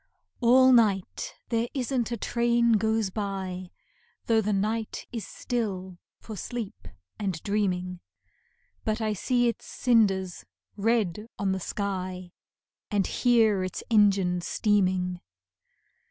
All night there isn't a train goes by, Though the night is still for sleep and dreaming, But I see its cinders red on the sky, And hear its engine steaming.